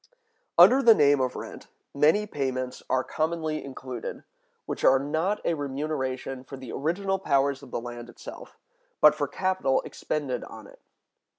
Under the name of rent, many payments are commonly included, which are not a remuneration for the original powers of the land itself, but for capital expended on it.